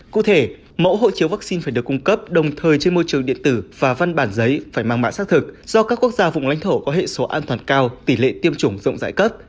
cụ thể mẫu hộ chiếu vaccine phải được cung cấp đồng thời trên môi trường điện tử và văn bản giấy phải mang mã xác thực do các quốc gia vùng lãnh thổ có hệ số an toàn cao tỷ lệ tiêm chủng rộng rãi cấp